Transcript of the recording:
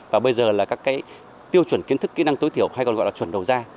và bây giờ là các cái tiêu chuẩn kiến thức kỹ năng tối thiểu hay còn gọi là chuẩn đầu ra